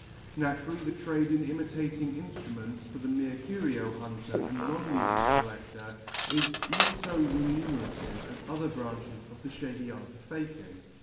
Naturally the trade in imitating instruments for the mere curio hunter and non musical collector, is not so remunerative as other branches of the shady art of faking.